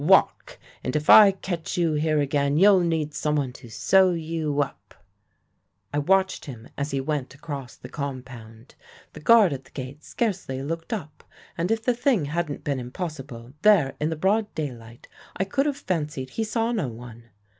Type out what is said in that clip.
Walk! And if I catch you here again, you'll need someone to sew you up.' "I watched him as he went across the compound. The guard at the gate scarcely looked up, and if the thing hadn't been impossible, there, in the broad daylight, I could have fancied he saw no one.